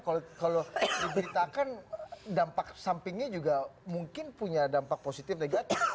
kalau diberitakan dampak sampingnya juga mungkin punya dampak positif negatif